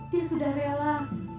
dia sudah rela